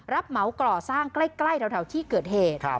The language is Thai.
เหมาก่อสร้างใกล้แถวที่เกิดเหตุ